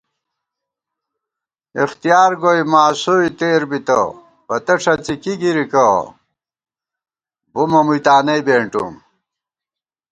اِختیار گوئی ماسوئےتېر بِتہ، پتہ ݭڅی کی گِرِکہ، بُمہ مُوئی تانَئی بېنٹُوم